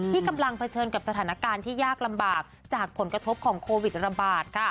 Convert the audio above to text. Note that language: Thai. กำลังเผชิญกับสถานการณ์ที่ยากลำบากจากผลกระทบของโควิดระบาดค่ะ